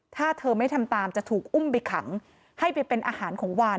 ถ้าเธอไม่ทำตามจะถูกอุ้มไปขังให้ไปเป็นอาหารของวาน